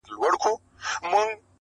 هغه پاڅي تشوي به کوثرونه-